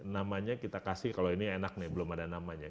namanya kita kasih kalau ini enak nih belum ada namanya